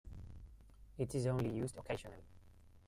It is only used occasionally.